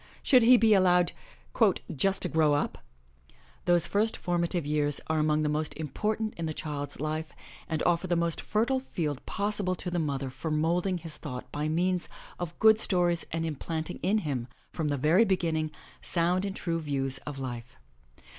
Should he be allowed '*just to grow up* 7 Those first formative years are among the most important in the child's life and offer the most fertile field possible to the mother for moulding his thought by means of good stories and implanting in him, from the very beginning, sound and true views of life.